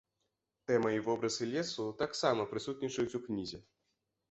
Тэма і вобразы лесу таксама прысутнічаюць у кнізе.